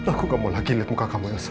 aku gak mau lagi lihat muka kamu elsa